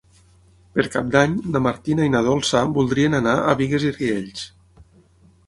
Per Cap d'Any na Martina i na Dolça voldrien anar a Bigues i Riells.